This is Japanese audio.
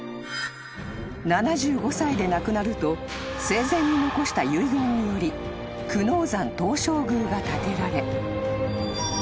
［７５歳で亡くなると生前に残した遺言により久能山東照宮が建てられ］